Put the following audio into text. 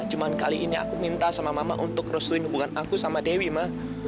cuma kali ini aku minta sama mama untuk restuin hubungan aku sama dewi mah